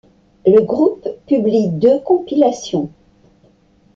Le groupe publie deux compilations.